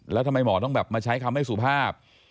แล้วทำไมหมอต้องแบบมาใช้คำไม่สุภาพ